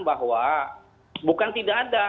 bahwa bukan tidak ada